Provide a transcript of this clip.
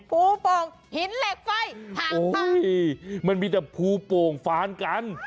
ภูโป่งหินเหล็กไฟทางต้านโอ้โฮมันมีแต่ภูโป่งฟานกัน